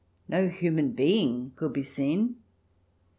No human being could be seen.